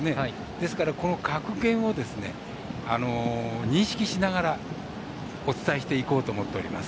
ですからこの格言を認識しながらお伝えしていこうと思っております。